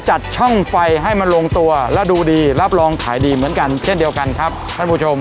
จัดช่องไฟให้มันลงตัวและดูดีรับรองขายดีเหมือนกันเช่นเดียวกันครับท่านผู้ชม